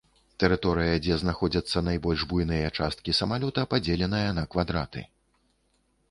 Тэрыторыя, дзе знаходзяцца найбольш буйныя часткі самалёта, падзеленая на квадраты.